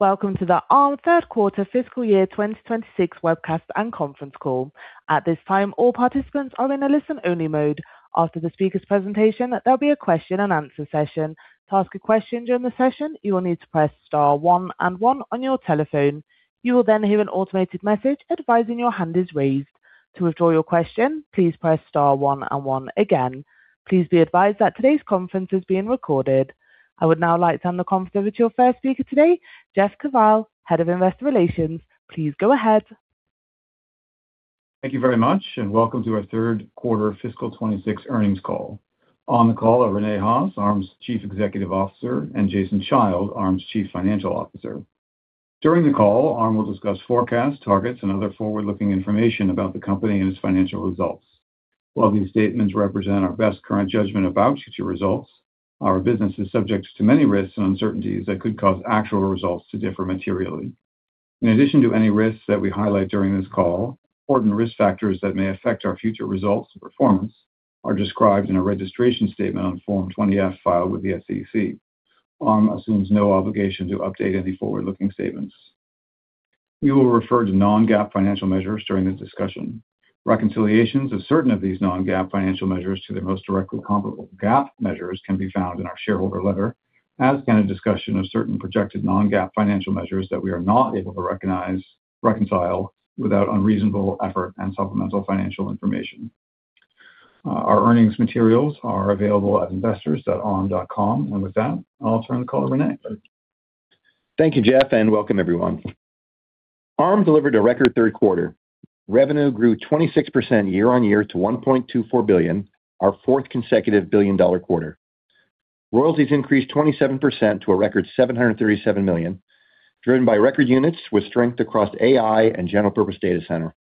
Welcome to the Arm third quarter fiscal year 2026 webcast and conference call. At this time, all participants are in a listen-only mode. After the speaker's presentation, there'll be a question-and-answer session. To ask a question during the session, you will need to press star one and one on your telephone. You will then hear an automated message advising your hand is raised. To withdraw your question, please press star one and one again. Please be advised that today's conference is being recorded. I would now like to hand the conference over to your first speaker today, Jeff Kvaal, Head of Investor Relations. Please go ahead. Thank you very much, and welcome to our third quarter fiscal 2026 earnings call. On the call are Rene Haas, Arm's Chief Executive Officer, and Jason Child, Arm's Chief Financial Officer. During the call, Arm will discuss forecasts, targets, and other forward-looking information about the company and its financial results. While these statements represent our best current judgment about future results, our business is subject to many risks and uncertainties that could cause actual results to differ materially. In addition to any risks that we highlight during this call, important risk factors that may affect our future results and performance are described in a registration statement on Form 20F filed with the SEC. Arm assumes no obligation to update any forward-looking statements. We will refer to non-GAAP financial measures during the discussion. Reconciliations of certain of these non-GAAP financial measures to their most directly comparable GAAP measures can be found in our shareholder letter, as can a discussion of certain projected non-GAAP financial measures that we are not able to reconcile without unreasonable effort and supplemental financial information. Our earnings materials are available at investors.arm.com, and with that, I'll turn the call to Rene. Thank you, Jeff, and welcome, everyone. Arm delivered a record third quarter. Revenue grew 26% year-on-year to $1.24 billion, our fourth consecutive billion-dollar quarter. Royalties increased 27% to a record $737 million, driven by record units with strength across AI and general-purpose data center.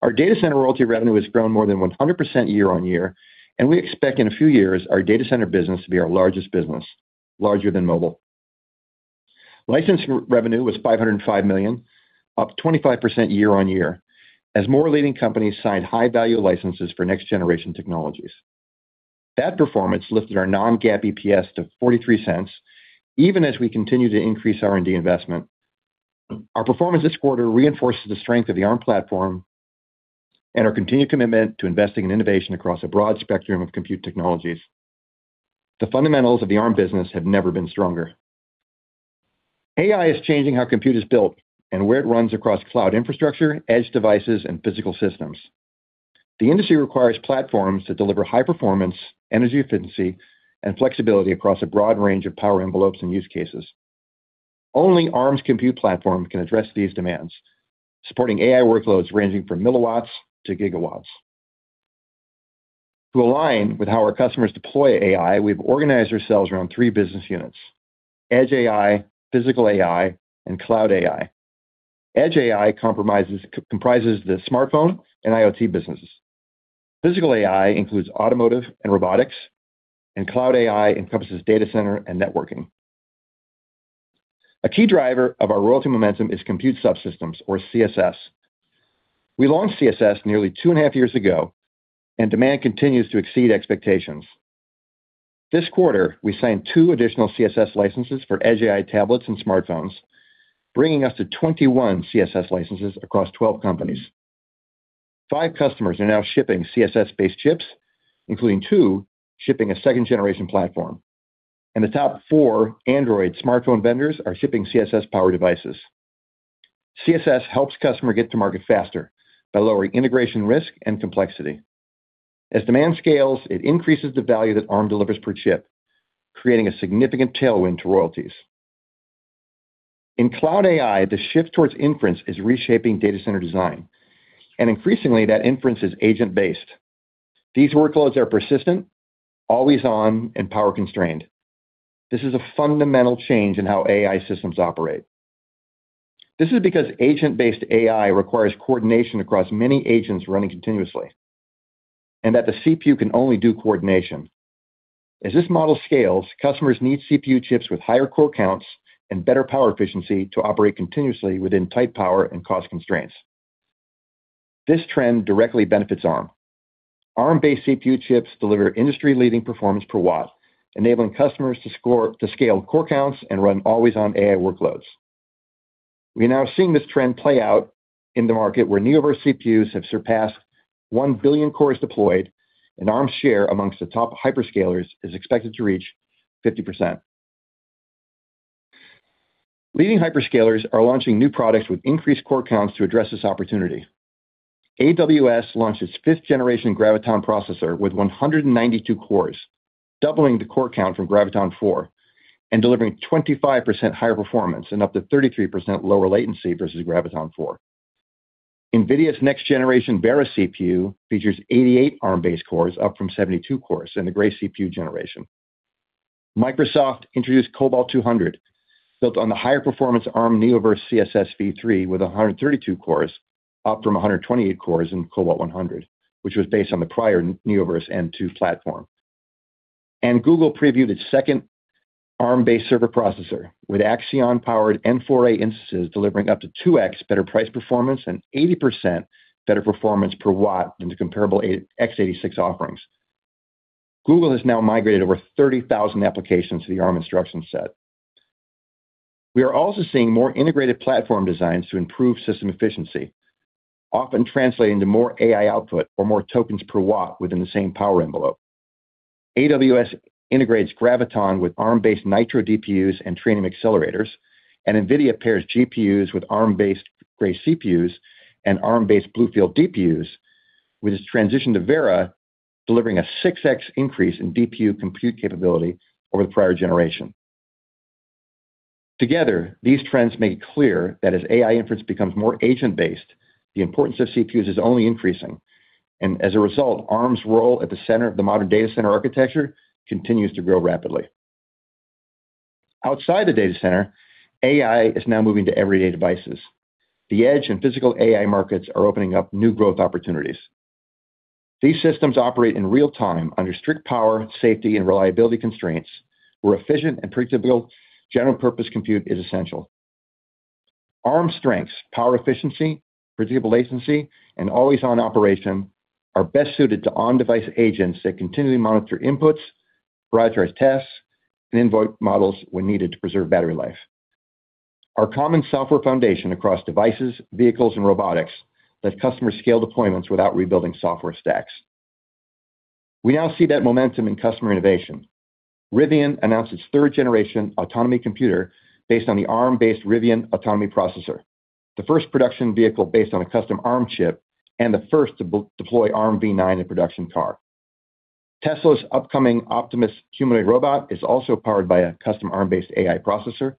Our data center royalty revenue has grown more than 100% year-on-year, and we expect in a few years our data center business to be our largest business, larger than mobile. License revenue was $505 million, up 25% year-on-year as more leading companies signed high-value licenses for next-generation technologies. That performance lifted our non-GAAP EPS to $0.43, even as we continue to increase R&D investment. Our performance this quarter reinforces the strength of the Arm platform and our continued commitment to investing in innovation across a broad spectrum of compute technologies. The fundamentals of the Arm business have never been stronger. AI is changing how compute is built and where it runs across cloud infrastructure, edge devices, and physical systems. The industry requires platforms to deliver high performance, energy efficiency, and flexibility across a broad range of power envelopes and use cases. Only Arm's compute platform can address these demands, supporting AI workloads ranging from milliwatts to gigawatts. To align with how our customers deploy AI, we've organized ourselves around three business units: Edge AI, Physical AI, and Cloud AI. Edge AI comprises the smartphone and IoT businesses. Physical AI includes automotive and robotics, and Cloud AI encompasses data center and networking. A key driver of our royalty momentum is compute subsystems, or CSS. We launched CSS nearly 2.5 years ago, and demand continues to exceed expectations. This quarter, we signed two additional CSS licenses for Edge AI tablets and smartphones, bringing us to 21 CSS licenses across 12 companies. Five customers are now shipping CSS-based chips, including 2 shipping a second-generation platform, and the top four Android smartphone vendors are shipping CSS-powered devices. CSS helps customers get to market faster by lowering integration risk and complexity. As demand scales, it increases the value that Arm delivers per chip, creating a significant tailwind to royalties. In Cloud AI, the shift towards inference is reshaping data center design, and increasingly, that inference is agent-based. These workloads are persistent, always on, and power-constrained. This is a fundamental change in how AI systems operate. This is because agent-based AI requires coordination across many agents running continuously, and that the CPU can only do coordination. As this model scales, customers need CPU chips with higher core counts and better power efficiency to operate continuously within tight power and cost constraints. This trend directly benefits Arm. Arm-based CPU chips deliver industry-leading performance per watt, enabling customers to scale core counts and run always-on AI workloads. We are now seeing this trend play out in the market where Neoverse CPUs have surpassed 1 billion cores deployed, and Arm's share amongst the top hyperscalers is expected to reach 50%. Leading hyperscalers are launching new products with increased core counts to address this opportunity. AWS launched its fifth-generation Graviton processor with 192 cores, doubling the core count from Graviton 4, and delivering 25% higher performance and up to 33% lower latency versus Graviton 4. NVIDIA's next-generation Vera CPU features 88 Arm-based cores, up from 72 cores in the Grace CPU generation. Microsoft introduced Cobalt 200, built on the higher-performance Arm Neoverse CSS V3 with 132 cores, up from 128 cores in Cobalt 100, which was based on the prior Neoverse N2 platform. Google previewed its second Arm-based server processor with Axion-powered N4A instances, delivering up to 2X better price performance and 80% better performance per watt than the comparable x86 offerings. Google has now migrated over 30,000 applications to the Arm instruction set. We are also seeing more integrated platform designs to improve system efficiency, often translating to more AI output or more tokens per watt within the same power envelope. AWS integrates Graviton with Arm-based Nitro DPUs and Trainium accelerators, and NVIDIA pairs GPUs with Arm-based Grace CPUs and Arm-based BlueField DPUs with its transition to Vera, delivering a 6X increase in DPU compute capability over the prior generation. Together, these trends make it clear that as AI inference becomes more agent-based, the importance of CPUs is only increasing, and as a result, Arm's role at the center of the modern data center architecture continues to grow rapidly. Outside the data center, AI is now moving to everyday devices. The Edge and Physical AI markets are opening up new growth opportunities. These systems operate in real time under strict power, safety, and reliability constraints, where efficient and predictable general-purpose compute is essential. Arm's strengths - power efficiency, predictable latency, and always-on operation - are best suited to on-device agents that continually monitor inputs, prioritize tests, and invoke models when needed to preserve battery life. Our common software foundation across devices, vehicles, and robotics lets customers scale deployments without rebuilding software stacks. We now see that momentum in customer innovation. Rivian announced its third-generation autonomy computer based on the Arm-based Rivian Autonomy Processor, the first production vehicle based on a custom Arm chip, and the first to deploy Armv9 in production car. Tesla's upcoming Optimus humanoid robot is also powered by a custom Arm-based AI processor,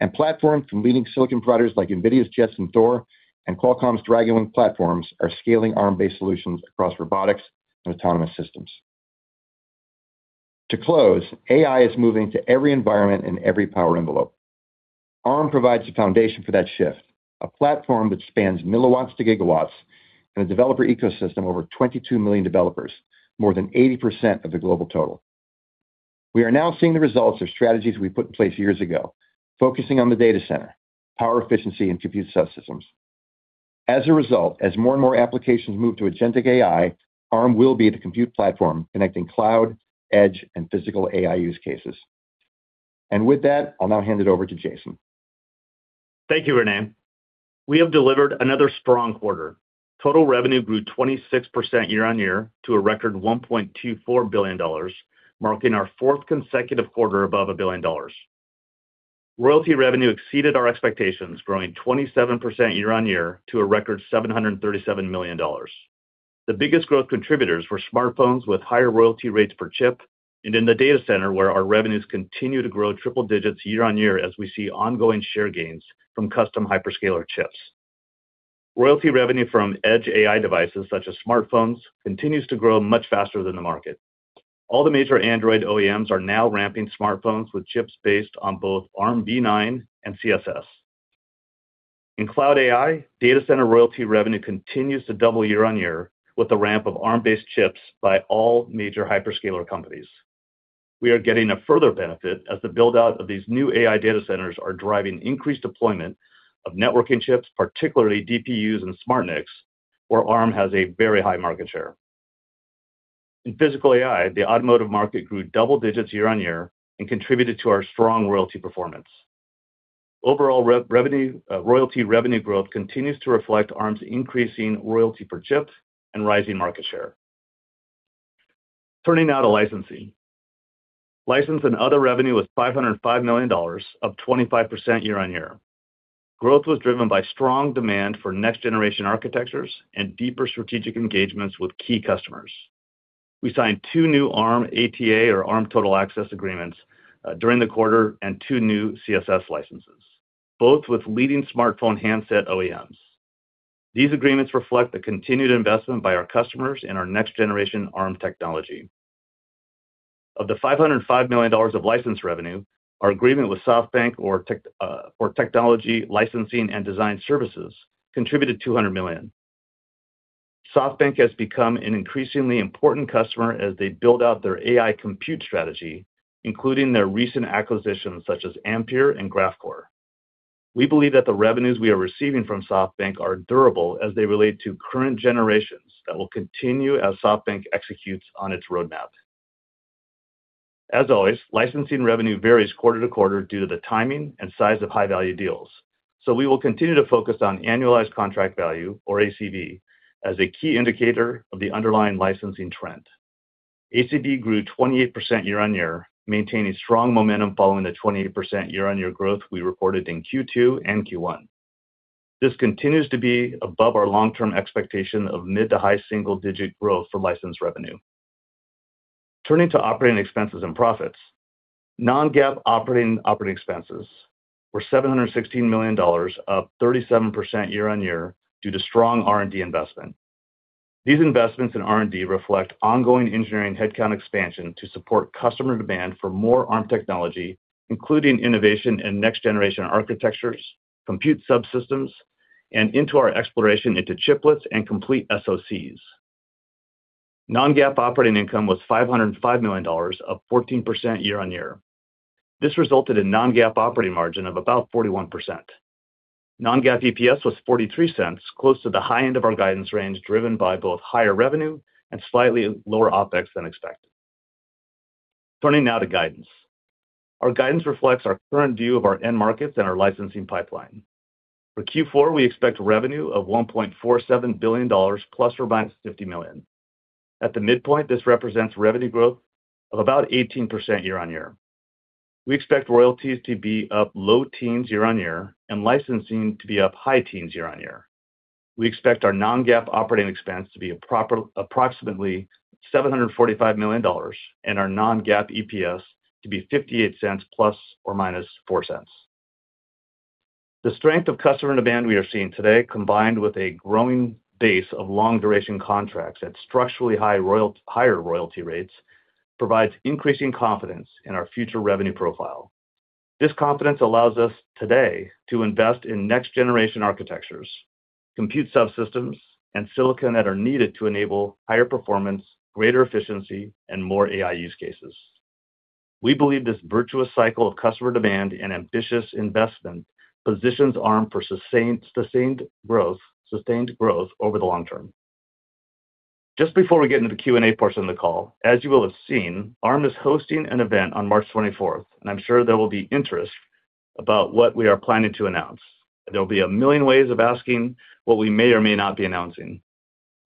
and platforms from leading silicon providers like NVIDIA's Jetson Thor and Qualcomm's DragonBoard platforms are scaling Arm-based solutions across robotics and autonomous systems. To close, AI is moving to every environment and every power envelope. Arm provides the foundation for that shift: a platform that spans milliwatts to gigawatts and a developer ecosystem over 22 million developers, more than 80% of the global total. We are now seeing the results of strategies we put in place years ago, focusing on the data center, power efficiency, and compute subsystems. As a result, as more and more applications move to agentic AI, Arm will be the compute platform connecting cloud, edge, and Physical AI use cases. With that, I'll now hand it over to Jason. Thank you, Rene. We have delivered another strong quarter. Total revenue grew 26% year-on-year to a record $1.24 billion, marking our fourth consecutive quarter above a billion dollars. Royalty revenue exceeded our expectations, growing 27% year-on-year to a record $737 million. The biggest growth contributors were smartphones with higher royalty rates per chip and in the data center, where our revenues continue to grow triple digits year-on-year as we see ongoing share gains from custom hyperscaler chips. Royalty revenue from edge AI devices such as smartphones continues to grow much faster than the market. All the major Android OEMs are now ramping smartphones with chips based on both Armv9 and CSS. In Cloud AI, data center royalty revenue continues to double year-on-year with the ramp of Arm-based chips by all major hyperscaler companies. We are getting a further benefit as the buildout of these new AI data centers is driving increased deployment of networking chips, particularly DPUs and SmartNICs, where Arm has a very high market share. In Physical AI, the automotive market grew double digits year-on-year and contributed to our strong royalty performance. Overall, royalty revenue growth continues to reflect Arm's increasing royalty per chip and rising market share. Turning now to licensing. License and other revenue was $505 million, up 25% year-on-year. Growth was driven by strong demand for next-generation architectures and deeper strategic engagements with key customers. We signed two new Arm ATA, or Arm Total Access, agreements during the quarter and two new CSS licenses, both with leading smartphone handset OEMs. These agreements reflect the continued investment by our customers in our next-generation Arm technology. Of the $505 million of license revenue, our agreement with SoftBank, or Technology Licensing and Design Services, contributed $200 million. SoftBank has become an increasingly important customer as they build out their AI compute strategy, including their recent acquisitions such as Ampere and Graphcore. We believe that the revenues we are receiving from SoftBank are durable as they relate to current generations that will continue as SoftBank executes on its roadmap. As always, licensing revenue varies quarter to quarter due to the timing and size of high-value deals, so we will continue to focus on annualized contract value, or ACV, as a key indicator of the underlying licensing trend. ACV grew 28% year-on-year, maintaining strong momentum following the 28% year-on-year growth we reported in Q2 and Q1. This continues to be above our long-term expectation of mid to high single-digit growth for license revenue. Turning to operating expenses and profits. Non-GAAP operating expenses were $716 million, up 37% year-on-year due to strong R&D investment. These investments in R&D reflect ongoing engineering headcount expansion to support customer demand for more Arm technology, including innovation in next-generation architectures, compute subsystems, and into our exploration into chiplets and complete SoCs. Non-GAAP operating income was $505 million, up 14% year-on-year. This resulted in non-GAAP operating margin of about 41%. Non-GAAP EPS was $0.43, close to the high end of our guidance range driven by both higher revenue and slightly lower OpEx than expected. Turning now to guidance. Our guidance reflects our current view of our end markets and our licensing pipeline. For Q4, we expect revenue of $1.47 billion plus robust $50 million. At the midpoint, this represents revenue growth of about 18% year-on-year. We expect royalties to be up low teens% year-on-year and licensing to be up high teens year-on-year. We expect our non-GAAP operating expense to be approximately $745 million and our non-GAAP EPS to be $0.58 ± $0.04. The strength of customer demand we are seeing today, combined with a growing base of long-duration contracts at structurally higher royalty rates, provides increasing confidence in our future revenue profile. This confidence allows us today to invest in next-generation architectures, compute subsystems, and silicon that are needed to enable higher performance, greater efficiency, and more AI use cases. We believe this virtuous cycle of customer demand and ambitious investment positions Arm for sustained growth over the long term. Just before we get into the Q&A portion of the call, as you will have seen, Arm is hosting an event on March 24th, and I'm sure there will be interest about what we are planning to announce. There will be a million ways of asking what we may or may not be announcing.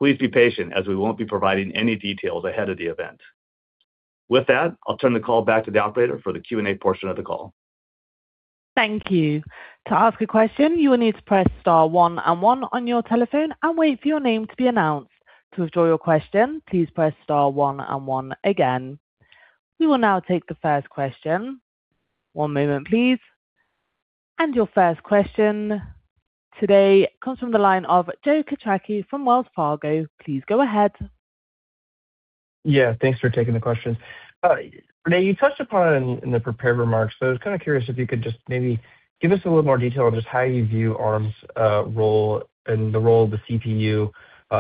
Please be patient, as we won't be providing any details ahead of the event. With that, I'll turn the call back to the operator for the Q&A portion of the call. Thank you. To ask a question, you will need to press star 1 and 1 on your telephone and wait for your name to be announced. To withdraw your question, please press star 1 and 1 again. We will now take the first question. One moment, please. Your first question today comes from the line of Joe Quattrocchi from Wells Fargo. Please go ahead. Yeah. Thanks for taking the questions. Rene, you touched upon it in the prepared remarks, so I was kind of curious if you could just maybe give us a little more detail on just how you view Arm's role and the role of the CPU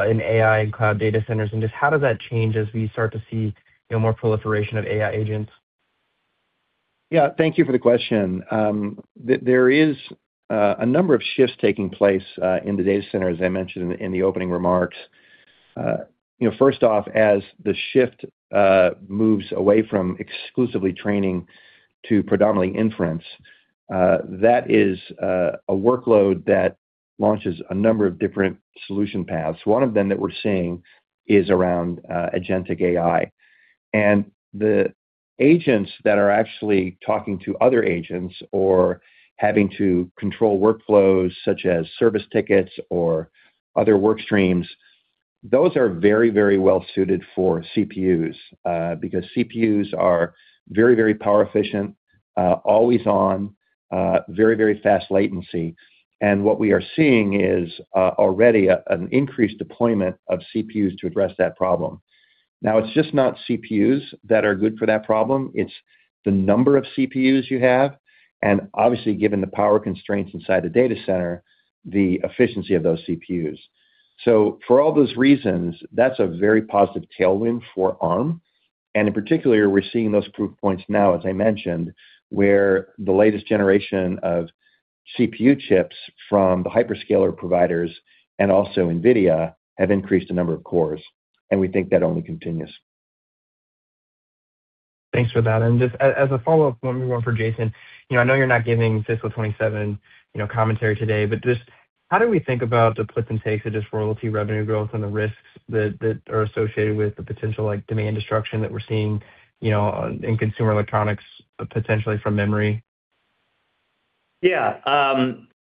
in AI and cloud data centers, and just how does that change as we start to see more proliferation of AI agents? Yeah. Thank you for the question. There is a number of shifts taking place in the data center, as I mentioned in the opening remarks. First off, as the shift moves away from exclusively training to predominantly inference, that is a workload that launches a number of different solution paths. One of them that we're seeing is around agentic AI. And the agents that are actually talking to other agents or having to control workflows such as service tickets or other workstreams, those are very, very well-suited for CPUs because CPUs are very, very power efficient, always-on, very, very fast latency. And what we are seeing is already an increased deployment of CPUs to address that problem. Now, it's just not CPUs that are good for that problem. It's the number of CPUs you have, and obviously, given the power constraints inside the data center, the efficiency of those CPUs. For all those reasons, that's a very positive tailwind for Arm. In particular, we're seeing those proof points now, as I mentioned, where the latest generation of CPU chips from the hyperscaler providers and also NVIDIA have increased the number of cores. We think that only continues. Thanks for that. And just as a follow-up, one more one for Jason. I know you're not giving fiscal 2027 commentary today, but just how do we think about the puts and takes of just royalty revenue growth and the risks that are associated with the potential demand destruction that we're seeing in consumer electronics, potentially from memory? Yeah.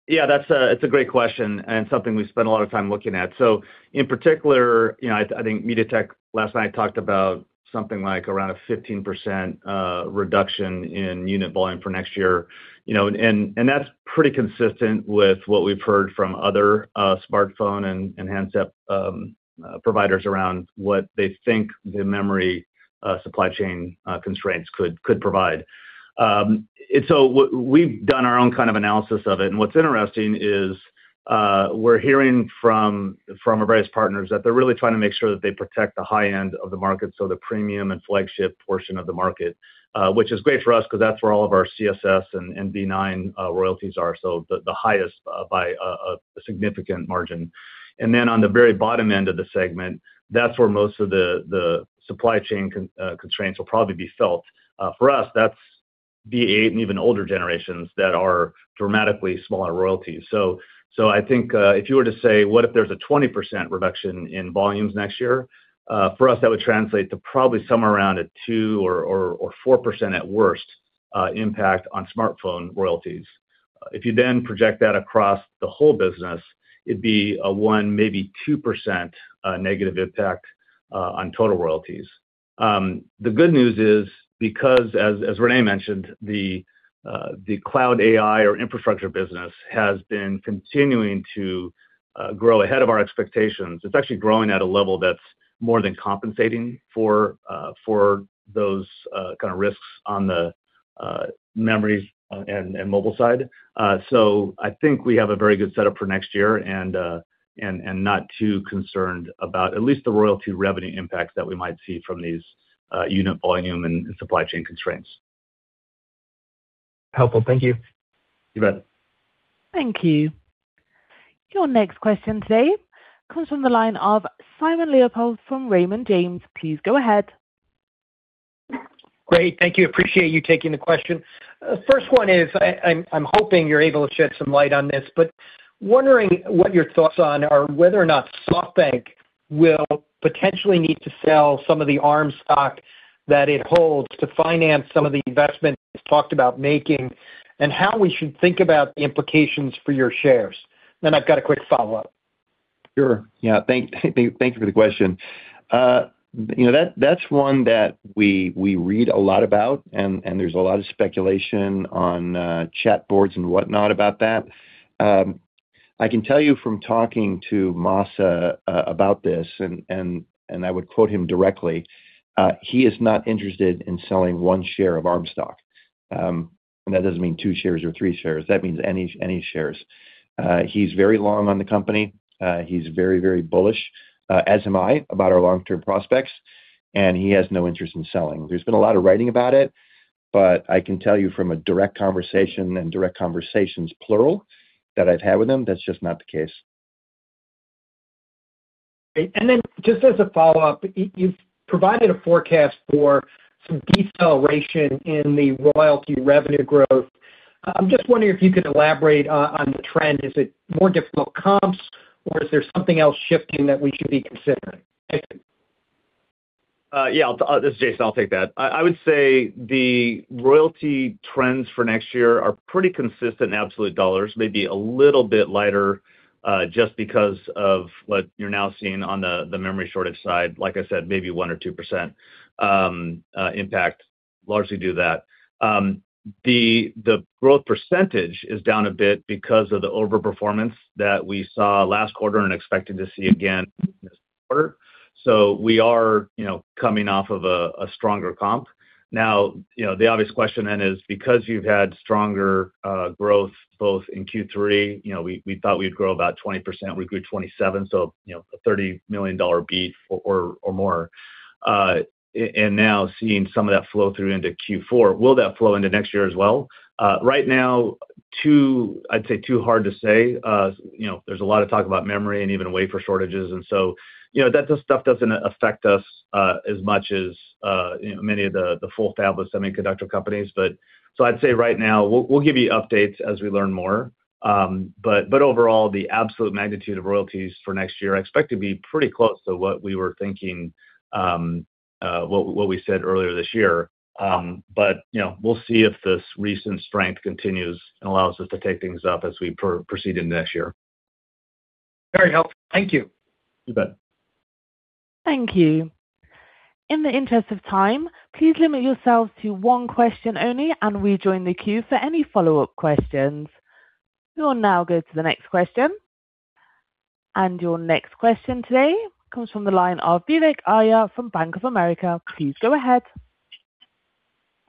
Yeah. That's a great question and something we've spent a lot of time looking at. So in particular, I think MediaTek, last night, talked about something like around a 15% reduction in unit volume for next year. And that's pretty consistent with what we've heard from other smartphone and handset providers around what they think the memory supply chain constraints could provide. And so we've done our own kind of analysis of it. And what's interesting is we're hearing from our various partners that they're really trying to make sure that they protect the high end of the market, so the premium and flagship portion of the market, which is great for us because that's where all of our CSS and v9 royalties are, so the highest by a significant margin. Then on the very bottom end of the segment, that's where most of the supply chain constraints will probably be felt. For us, that's v8 and even older generations that are dramatically smaller royalties. So I think if you were to say, "What if there's a 20% reduction in volumes next year?" For us, that would translate to probably somewhere around a 2% or 4% at worst impact on smartphone royalties. If you then project that across the whole business, it'd be a 1%, maybe 2% negative impact on total royalties. The good news is because, as Rene mentioned, the Cloud AI or infrastructure business has been continuing to grow ahead of our expectations. It's actually growing at a level that's more than compensating for those kind of risks on the memories and mobile side. I think we have a very good setup for next year and not too concerned about at least the royalty revenue impacts that we might see from these unit volume and supply chain constraints. Helpful. Thank you. You bet. Thank you. Your next question today comes from the line of Simon Leopold from Raymond James. Please go ahead. Great. Thank you. Appreciate you taking the question. First one is, I'm hoping you're able to shed some light on this, but wondering what your thoughts on are whether or not SoftBank will potentially need to sell some of the Arm stock that it holds to finance some of the investment it's talked about making, and how we should think about the implications for your shares. And then I've got a quick follow-up. Sure. Yeah. Thank you for the question. That's one that we read a lot about, and there's a lot of speculation on chatboards and whatnot about that. I can tell you from talking to Masa about this, and I would quote him directly. He is not interested in selling one share of Arm stock. And that doesn't mean two shares or three shares. That means any shares. He's very long on the company. He's very, very bullish, as am I, about our long-term prospects. And he has no interest in selling. There's been a lot of writing about it, but I can tell you from a direct conversation and direct conversations, plural, that I've had with him, that's just not the case. Great. And then just as a follow-up, you've provided a forecast for some deceleration in the royalty revenue growth. I'm just wondering if you could elaborate on the trend. Is it more difficult comps, or is there something else shifting that we should be considering? Thank you. Yeah. This is Jason. I'll take that. I would say the royalty trends for next year are pretty consistent in absolute dollars, maybe a little bit lighter just because of what you're now seeing on the memory shortage side. Like I said, maybe 1%-2% impact, largely due to that. The growth percentage is down a bit because of the overperformance that we saw last quarter and expected to see again this quarter. So we are coming off of a stronger comp. Now, the obvious question then is, because you've had stronger growth both in Q3, we thought we'd grow about 20%. We grew 27%, so a $30 million beat or more. And now seeing some of that flow through into Q4, will that flow into next year as well? Right now, I'd say too hard to say. There's a lot of talk about memory and even wafer shortages. So that stuff doesn't affect us as much as many of the fabless semiconductor companies. I'd say right now, we'll give you updates as we learn more. Overall, the absolute magnitude of royalties for next year I expect to be pretty close to what we were thinking, what we said earlier this year. We'll see if this recent strength continues and allows us to take things up as we proceed into next year. Very helpful. Thank you. You bet. Thank you. In the interest of time, please limit yourselves to one question only, and we'll join the queue for any follow-up questions. We will now go to the next question. Your next question today comes from the line of Vivek Arya from Bank of America. Please go ahead.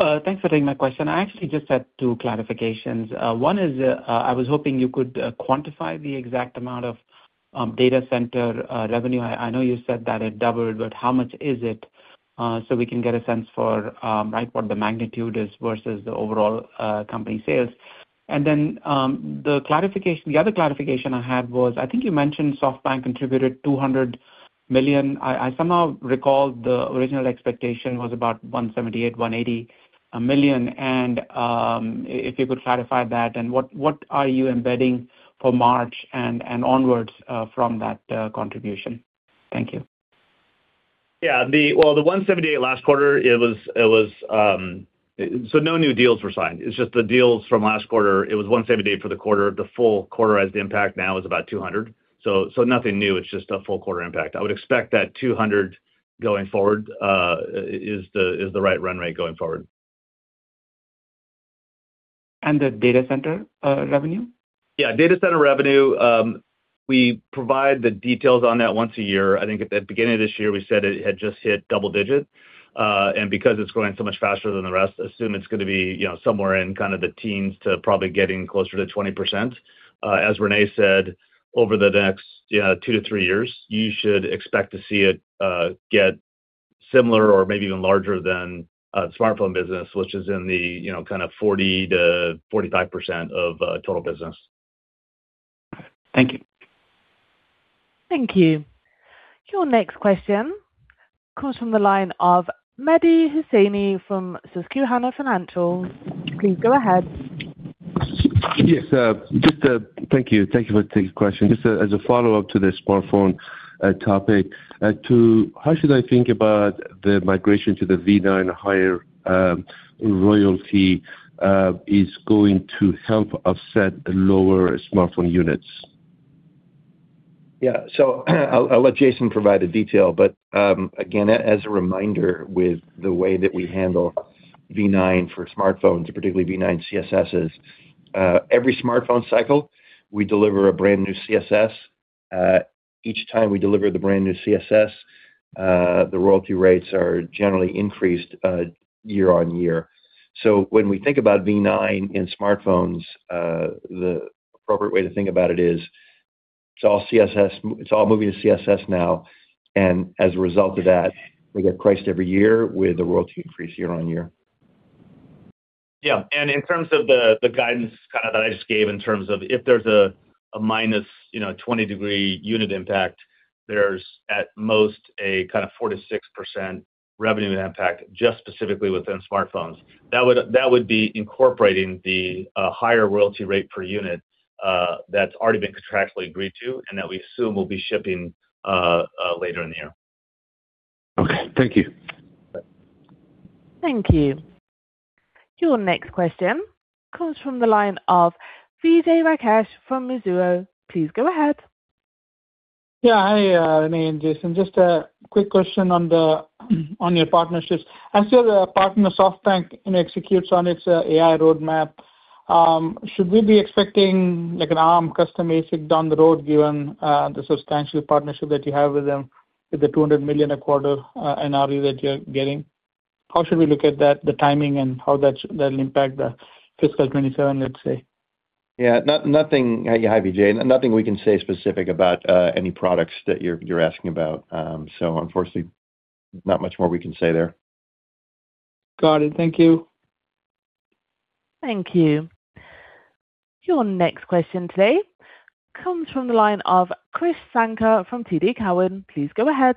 Thanks for taking my question. I actually just had two clarifications. One is I was hoping you could quantify the exact amount of data center revenue. I know you said that it doubled, but how much is it so we can get a sense for what the magnitude is versus the overall company sales? And then the other clarification I had was I think you mentioned SoftBank contributed $200 million. I somehow recall the original expectation was about $178 million-$180 million. And if you could clarify that, and what are you embedding for March and onwards from that contribution? Thank you. Yeah. Well, the 178 last quarter, it was so no new deals were signed. It's just the deals from last quarter, it was 178 for the quarter. The full quarter as the impact now is about 200. So nothing new. It's just a full quarter impact. I would expect that 200 going forward is the right run rate going forward. The data center revenue? Yeah. Data center revenue, we provide the details on that once a year. I think at the beginning of this year, we said it had just hit double digit. And because it's growing so much faster than the rest, assume it's going to be somewhere in kind of the teens to probably getting closer to 20%. As Rene said, over the next 2 to 3 years, you should expect to see it get similar or maybe even larger than the smartphone business, which is in the kind of 40%-45% of total business. Thank you. Thank you. Your next question comes from the line of Mehdi Hosseini from Susquehanna Financial Group. Please go ahead. Yes. Thank you. Thank you for taking the question. Just as a follow-up to the smartphone topic, how should I think about the migration to the v9 higher royalty is going to help offset lower smartphone units? Yeah. So I'll let Jason provide a detail. But again, as a reminder with the way that we handle v9 for smartphones, particularly v9 CSSs, every smartphone cycle, we deliver a brand new CSS. Each time we deliver the brand new CSS, the royalty rates are generally increased year on year. So when we think about v9 in smartphones, the appropriate way to think about it is it's all moving to CSS now. And as a result of that, we get priced every year with a royalty increase year on year. Yeah. And in terms of the guidance kind of that I just gave in terms of if there's a -20% unit impact, there's at most a kind of 4%-6% revenue impact just specifically within smartphones. That would be incorporating the higher royalty rate per unit that's already been contractually agreed to and that we assume will be shipping later in the year. Okay. Thank you. Thank you. Your next question comes from the line of Vijay Rakesh from Mizuho. Please go ahead. Yeah. Hi, Rene and Jason. Just a quick question on your partnerships. As your partner, SoftBank, executes on its AI roadmap, should we be expecting an Arm custom ASIC down the road given the substantial partnership that you have with them with the $200 million a quarter NRE that you're getting? How should we look at that, the timing, and how that'll impact the fiscal 2027, let's say? Yeah. Hi Vijay. Nothing we can say specific about any products that you're asking about. Unfortunately, not much more we can say there. Got it. Thank you. Thank you. Your next question today comes from the line of Krish Sankar from TD Cowen. Please go ahead.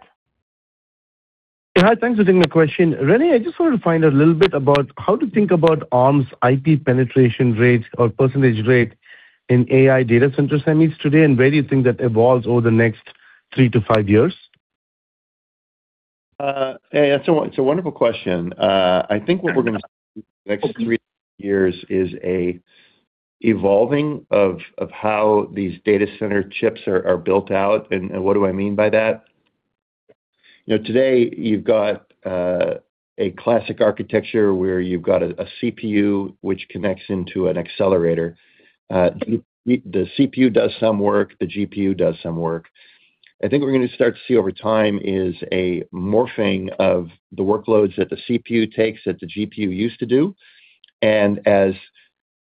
Hi. Thanks for taking the question. Rene, I just wanted to find out a little bit about how to think about Arm's IP penetration rate or percentage rate in AI data center semis today and where do you think that evolves over the next three to five years? It's a wonderful question. I think what we're going to see in the next three to five years is an evolving of how these data center chips are built out. And what do I mean by that? Today, you've got a classic architecture where you've got a CPU which connects into an accelerator. The CPU does some work. The GPU does some work. I think what we're going to start to see over time is a morphing of the workloads that the CPU takes that the GPU used to do. And as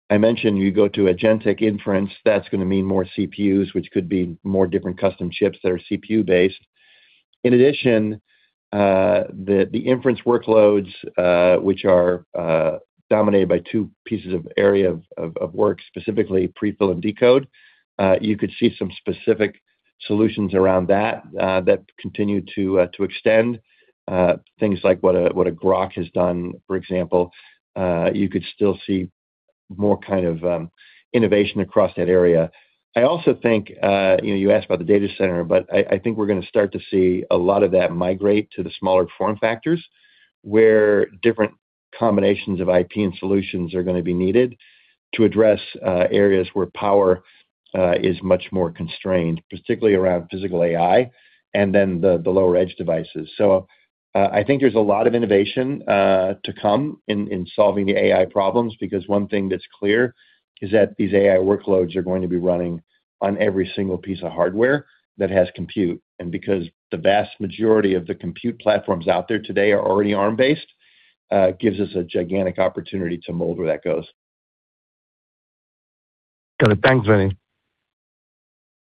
I mentioned, you go to agentic inference, that's going to mean more CPUs, which could be more different custom chips that are CPU-based. In addition, the inference workloads, which are dominated by two pieces of area of work, specifically prefill and decode, you could see some specific solutions around that that continue to extend. Things like what a Groq has done, for example, you could still see more kind of innovation across that area. I also think you asked about the data center, but I think we're going to start to see a lot of that migrate to the smaller form factors where different combinations of IP and solutions are going to be needed to address areas where power is much more constrained, particularly around Physical AI and then the lower-edge devices. So I think there's a lot of innovation to come in solving the AI problems because one thing that's clear is that these AI workloads are going to be running on every single piece of hardware that has compute. And because the vast majority of the compute platforms out there today are already Arm-based, it gives us a gigantic opportunity to mold where that goes. Got it. Thanks, Rene.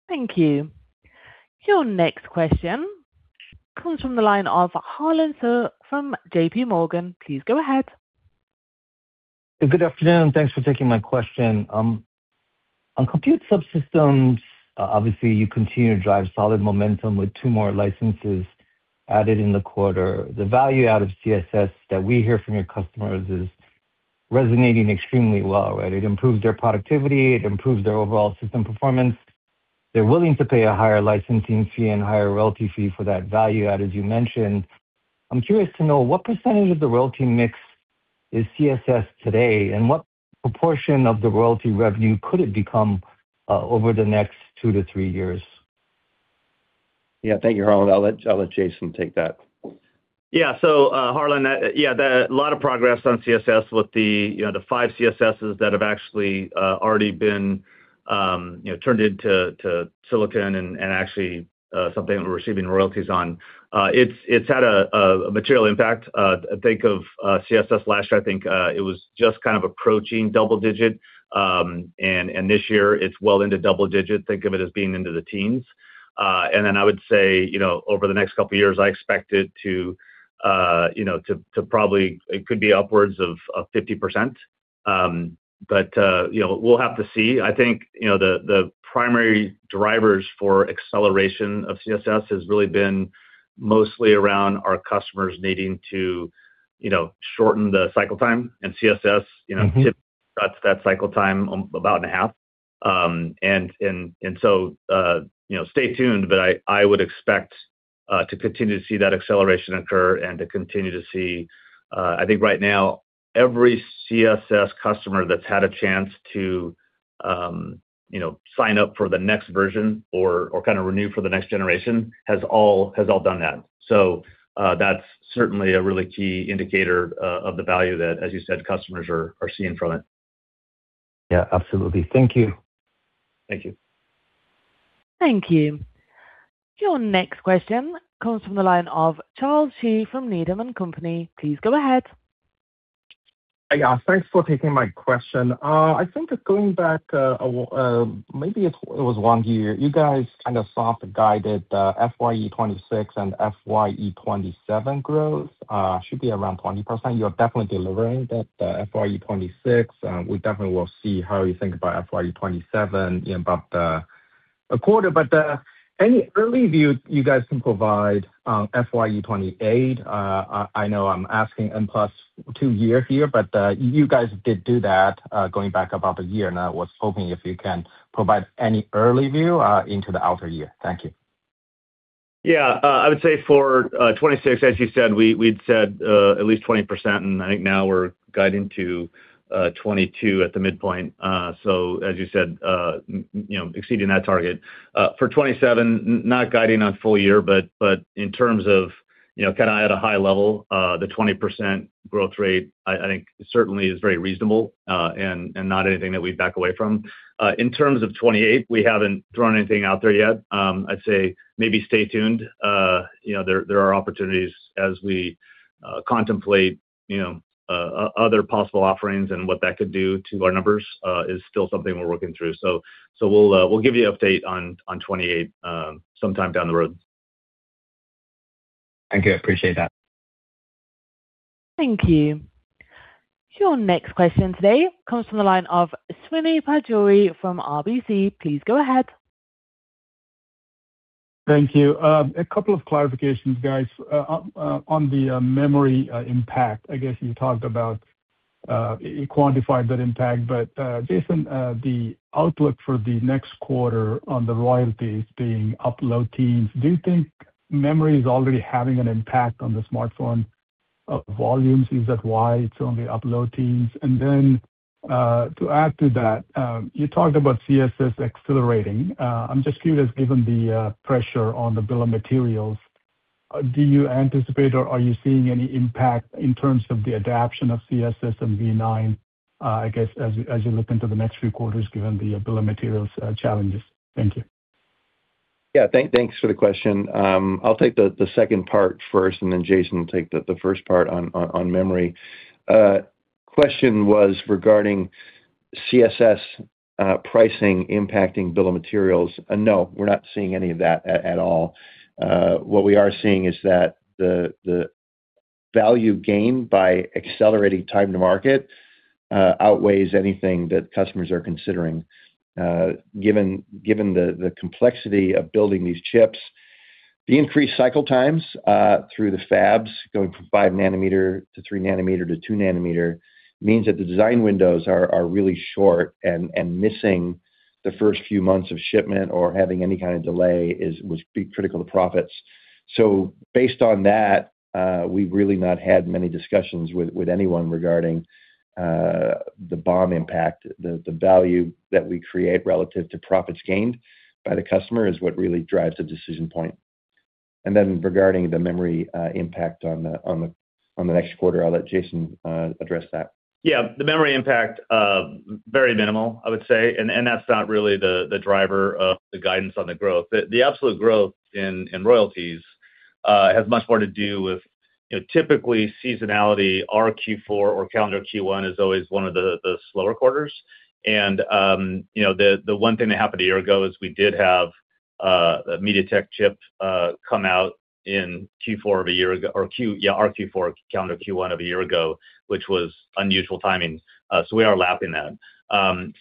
Thank you. Your next question comes from the line of Harlan Sur from J.P. Morgan. Please go ahead. Good afternoon. Thanks for taking my question. On compute subsystems, obviously, you continue to drive solid momentum with two more licenses added in the quarter. The value out of CSS that we hear from your customers is resonating extremely well, right? It improves their productivity. It improves their overall system performance. They're willing to pay a higher licensing fee and higher royalty fee for that value add, as you mentioned. I'm curious to know, what percentage of the royalty mix is CSS today, and what proportion of the royalty revenue could it become over the next two to three years? Yeah. Thank you, Harlan. I'll let Jason take that. Yeah. So Harlan, yeah, a lot of progress on CSS with the 5 CSSs that have actually already been turned into silicon and actually something that we're receiving royalties on. It's had a material impact. Think of CSS last year. I think it was just kind of approaching double digits. And this year, it's well into double digits. Think of it as being into the teens. And then I would say over the next couple of years, I expect it to probably it could be upwards of 50%. But we'll have to see. I think the primary drivers for acceleration of CSS has really been mostly around our customers needing to shorten the cycle time. And CSS typically cuts that cycle time about in half. So stay tuned, but I would expect to continue to see that acceleration occur and to continue to see I think right now, every CSS customer that's had a chance to sign up for the next version or kind of renew for the next generation has all done that. So that's certainly a really key indicator of the value that, as you said, customers are seeing from it. Yeah. Absolutely. Thank you. Thank you. Thank you. Your next question comes from the line of Charles Shi from Needham & Company. Please go ahead. Yeah. Thanks for taking my question. I think going back, maybe it was one year. You guys kind of soft-guided the FYE 2026 and FYE 2027 growth. It should be around 20%. You are definitely delivering that FYE 2026. We definitely will see how you think about FYE 2027 in about a quarter. But any early view you guys can provide on FYE 2028? I know I'm asking N plus two years here, but you guys did do that going back about a year. I was hoping if you can provide any early view into the outer year. Thank you. Yeah. I would say for 2026, as you said, we'd said at least 20%. And I think now we're guiding to 22% at the midpoint. So as you said, exceeding that target. For 2027, not guiding on full year, but in terms of kind of at a high level, the 20% growth rate, I think, certainly is very reasonable and not anything that we'd back away from. In terms of 2028, we haven't thrown anything out there yet. I'd say maybe stay tuned. There are opportunities as we contemplate other possible offerings and what that could do to our numbers is still something we're working through. So we'll give you an update on 2028 sometime down the road. Thank you. Appreciate that. Thank you. Your next question today comes from the line of Srini Pajjuri from RBC. Please go ahead. Thank you. A couple of clarifications, guys. On the memory impact, I guess you talked about and quantified that impact. But Jason, the outlook for the next quarter on the royalties being up low teens, do you think memory is already having an impact on the smartphone volumes? Is that why it's only up low teens? And then to add to that, you talked about CSS accelerating. I'm just curious, given the pressure on the bill of materials, do you anticipate or are you seeing any impact in terms of the adoption of CSS and v9, I guess, as you look into the next few quarters given the bill of materials challenges? Thank you. Yeah. Thanks for the question. I'll take the second part first, and then Jason will take the first part on memory. The question was regarding CSS pricing impacting bill of materials. No, we're not seeing any of that at all. What we are seeing is that the value gained by accelerating time to market outweighs anything that customers are considering. Given the complexity of building these chips, the increased cycle times through the fabs, going from 5 nanometer to 3 nanometer to 2 nanometer, means that the design windows are really short, and missing the first few months of shipment or having any kind of delay would be critical to profits. So based on that, we've really not had many discussions with anyone regarding the BOM impact. The value that we create relative to profits gained by the customer is what really drives the decision point. Then regarding the memory impact on the next quarter, I'll let Jason address that. Yeah. The memory impact, very minimal, I would say. And that's not really the driver of the guidance on the growth. The absolute growth in royalties has much more to do with typically, seasonality, our Q4 or calendar Q1 is always one of the slower quarters. And the one thing that happened a year ago is we did have a MediaTek chip come out in Q4 of a year ago or, yeah, our Q4 calendar Q1 of a year ago, which was unusual timing. So we are lapping that.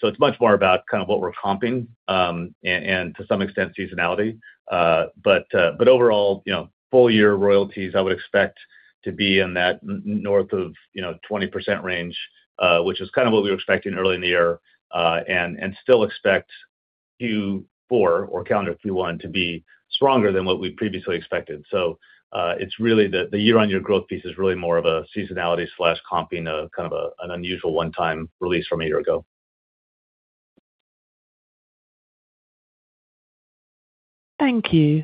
So it's much more about kind of what we're comping and, to some extent, seasonality. Overall, full-year royalties, I would expect to be in that north of 20% range, which is kind of what we were expecting early in the year, and still expect Q4 or calendar Q1 to be stronger than what we previously expected. The year-on-year growth piece is really more of a seasonality/comping, kind of an unusual one-time release from a year ago. Thank you.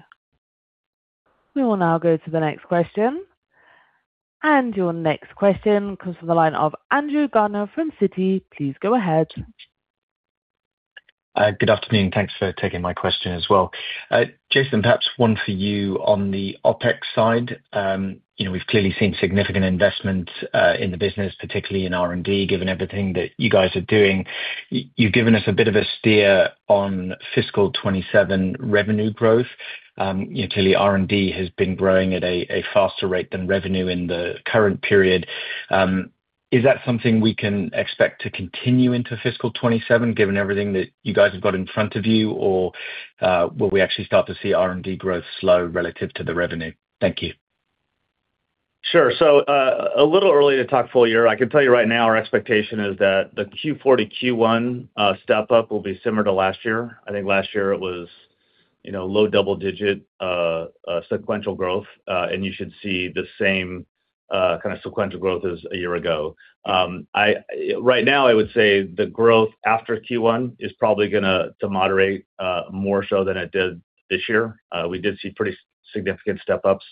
We will now go to the next question. Your next question comes from the line of Andrew Gardiner from Citi. Please go ahead. Good afternoon. Thanks for taking my question as well. Jason, perhaps one for you on the OpEx side. We've clearly seen significant investment in the business, particularly in R&D, given everything that you guys are doing. You've given us a bit of a steer on fiscal 2027 revenue growth. Clearly, R&D has been growing at a faster rate than revenue in the current period. Is that something we can expect to continue into fiscal 2027, given everything that you guys have got in front of you, or will we actually start to see R&D growth slow relative to the revenue? Thank you. Sure. So a little early to talk full year. I can tell you right now, our expectation is that the Q4 to Q1 step-up will be similar to last year. I think last year, it was low double-digit sequential growth, and you should see the same kind of sequential growth as a year ago. Right now, I would say the growth after Q1 is probably going to moderate more so than it did this year. We did see pretty significant step-ups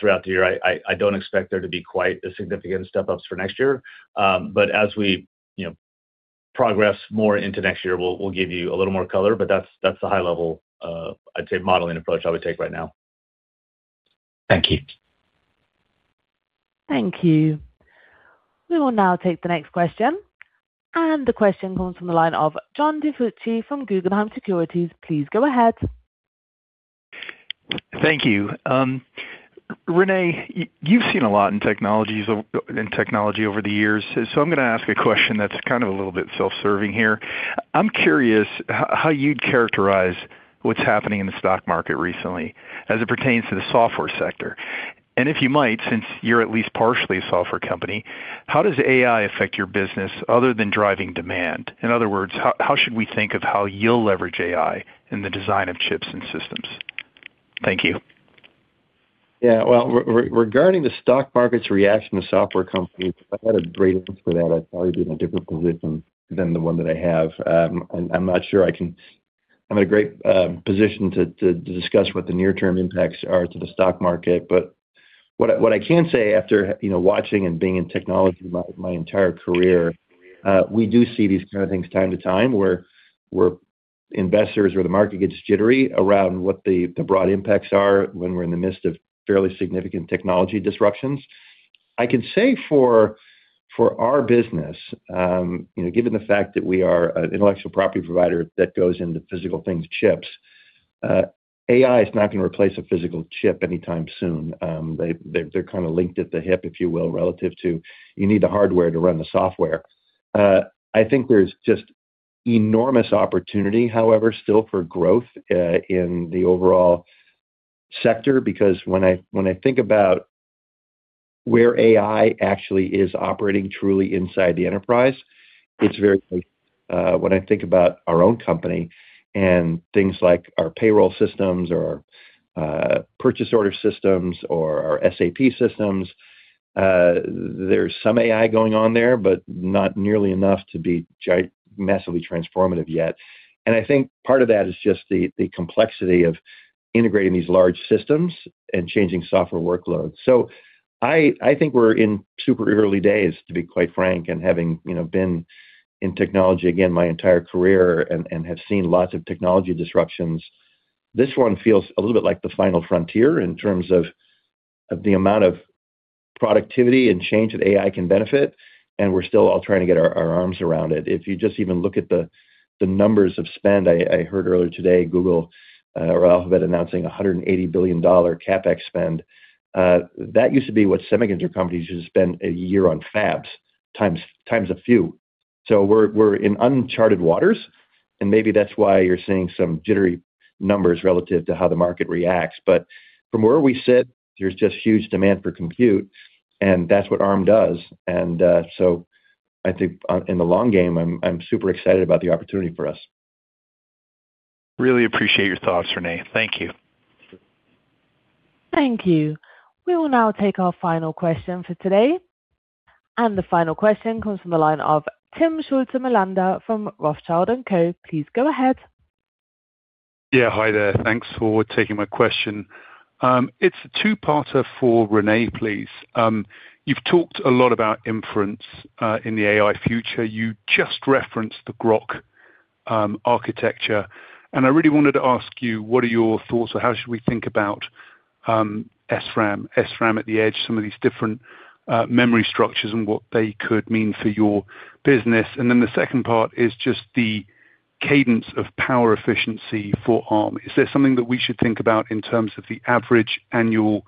throughout the year. I don't expect there to be quite as significant step-ups for next year. But as we progress more into next year, we'll give you a little more color. But that's the high-level, I'd say, modeling approach I would take right now. Thank you. Thank you. We will now take the next question. The question comes from the line of John DiFucci from Guggenheim Securities. Please go ahead. Thank you. Rene, you've seen a lot in technology over the years. So I'm going to ask a question that's kind of a little bit self-serving here. I'm curious how you'd characterize what's happening in the stock market recently as it pertains to the software sector. And if you might, since you're at least partially a software company, how does AI affect your business other than driving demand? In other words, how should we think of how you'll leverage AI in the design of chips and systems? Thank you. Yeah. Well, regarding the stock market's reaction to software companies, if I had a great answer for that, I'd probably be in a different position than the one that I have. And I'm not sure. I'm in a great position to discuss what the near-term impacts are to the stock market. But what I can say after watching and being in technology my entire career, we do see these kind of things time to time where investors or the market gets jittery around what the broad impacts are when we're in the midst of fairly significant technology disruptions. I can say for our business, given the fact that we are an intellectual property provider that goes into physical things, chips, AI is not going to replace a physical chip anytime soon. They're kind of linked at the hip, if you will, relative to you need the hardware to run the software. I think there's just enormous opportunity, however, still for growth in the overall sector because when I think about where AI actually is operating truly inside the enterprise, it's very close when I think about our own company and things like our payroll systems or our purchase order systems or our SAP systems. There's some AI going on there, but not nearly enough to be massively transformative yet. I think part of that is just the complexity of integrating these large systems and changing software workloads. So I think we're in super early days, to be quite frank, and having been in technology, again, my entire career and have seen lots of technology disruptions, this one feels a little bit like the final frontier in terms of the amount of productivity and change that AI can benefit. And we're still all trying to get our arms around it. If you just even look at the numbers of spend, I heard earlier today, Google or Alphabet announcing $180 billion CapEx spend. That used to be what semiconductor companies used to spend a year on fabs times a few. So we're in uncharted waters. And maybe that's why you're seeing some jittery numbers relative to how the market reacts. But from where we sit, there's just huge demand for compute. And that's what Arm does. I think in the long game, I'm super excited about the opportunity for us. Really appreciate your thoughts, Rene. Thank you. Thank you. We will now take our final question for today. The final question comes from the line of Timm Schulze-Melander from Rothschild & Co. Please go ahead. Yeah. Hi there. Thanks for taking my question. It's a two-parter for Rene, please. You've talked a lot about inference in the AI future. You just referenced the Groq architecture. And I really wanted to ask you, what are your thoughts, or how should we think about SRAM, SRAM at the edge, some of these different memory structures and what they could mean for your business? And then the second part is just the cadence of power efficiency for Arm. Is there something that we should think about in terms of the average annual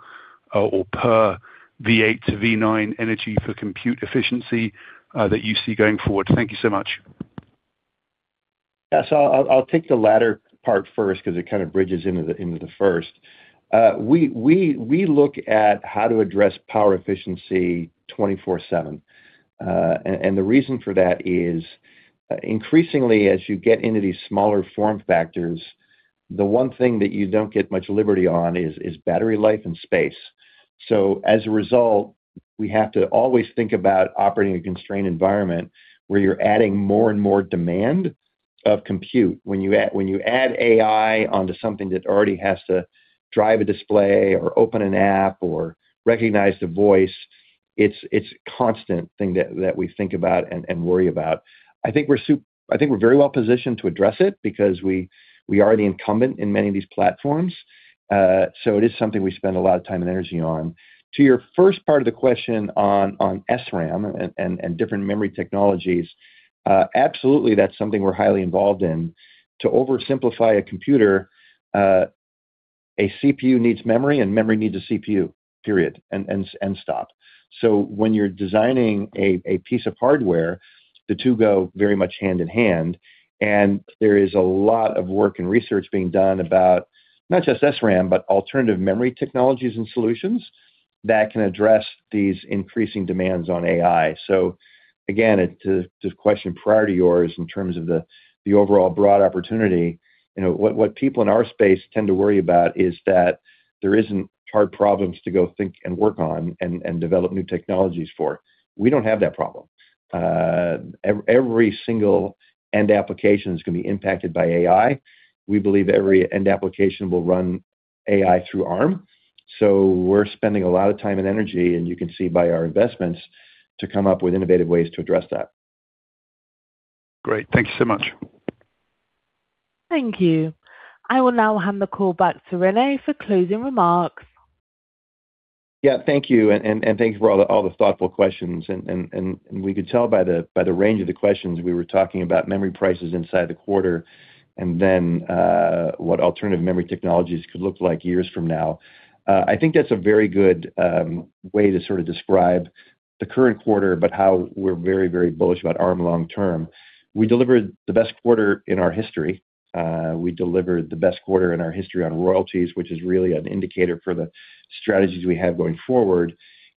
or per V8 to V9 energy for compute efficiency that you see going forward? Thank you so much. Yeah. So I'll take the latter part first because it kind of bridges into the first. We look at how to address power efficiency 24/7. And the reason for that is, increasingly, as you get into these smaller form factors, the one thing that you don't get much liberty on is battery life and space. So as a result, we have to always think about operating a constrained environment where you're adding more and more demand of compute. When you add AI onto something that already has to drive a display or open an app or recognize the voice, it's a constant thing that we think about and worry about. I think we're very well positioned to address it because we are the incumbent in many of these platforms. So it is something we spend a lot of time and energy on. To your first part of the question on SRAM and different memory technologies, absolutely, that's something we're highly involved in. To oversimplify a computer, a CPU needs memory, and memory needs a CPU, period, and stop. So when you're designing a piece of hardware, the two go very much hand in hand. And there is a lot of work and research being done about not just SRAM, but alternative memory technologies and solutions that can address these increasing demands on AI. So again, to the question prior to yours in terms of the overall broad opportunity, what people in our space tend to worry about is that there isn't hard problems to go think and work on and develop new technologies for. We don't have that problem. Every single end application is going to be impacted by AI. We believe every end application will run AI through Arm. We're spending a lot of time and energy, and you can see by our investments, to come up with innovative ways to address that. Great. Thank you so much. Thank you. I will now hand the call back to Rene for closing remarks. Yeah. Thank you. Thank you for all the thoughtful questions. We could tell by the range of the questions, we were talking about memory prices inside the quarter and then what alternative memory technologies could look like years from now. I think that's a very good way to sort of describe the current quarter, but how we're very, very bullish about Arm long term. We delivered the best quarter in our history. We delivered the best quarter in our history on royalties, which is really an indicator for the strategies we have going forward.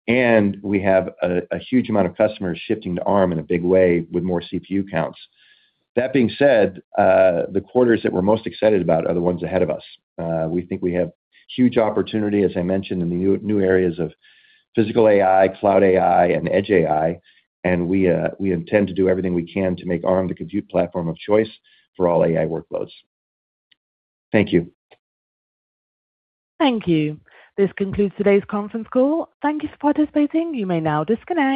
We have a huge amount of customers shifting to Arm in a big way with more CPU counts. That being said, the quarters that we're most excited about are the ones ahead of us. We think we have huge opportunity, as I mentioned, in the new areas of Physical AI, Cloud AI, and Edge AI. We intend to do everything we can to make Arm the compute platform of choice for all AI workloads. Thank you. Thank you. This concludes today's conference call. Thank you for participating. You may now disconnect.